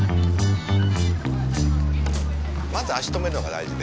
まず足止めるのが大事で。